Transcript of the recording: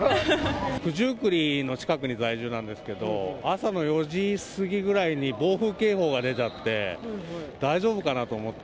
九十九里の近くに在住なんですけど、朝の４時過ぎぐらいに暴風警報が出たって、大丈夫かなと思って。